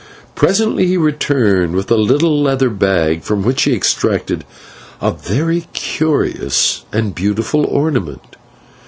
Presently he returned with a little leather bag from which he extracted a very curious and beautiful ornament.